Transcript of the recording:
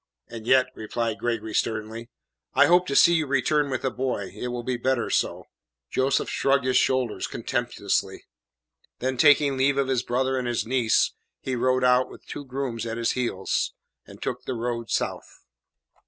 "And yet," replied Gregory sternly, "I hope to see you return with the boy. It will be better so." Joseph shrugged his shoulders contemptuously. Then, taking leave of his brother and his niece, he rode out with two grooms at his heels, and took the road South.